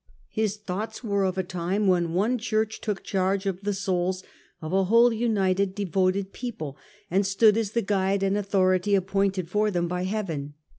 His thoughts were of 1841. STATE AND CHURCH. 213 a time when one Church took charge of the souls of a whole united devout people, and stood as the guide and authority appointed for them by Heaven.